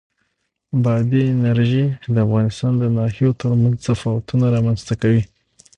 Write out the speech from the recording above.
بادي انرژي د افغانستان د ناحیو ترمنځ تفاوتونه رامنځ ته کوي.